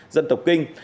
dân tộc kinh